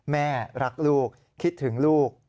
แม่รักลูกคิดถึงลูก